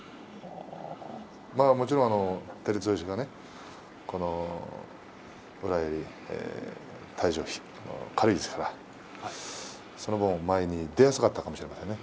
もちろん照強が宇良より体重が軽いですからその分前に出やすかったかもしれませんね。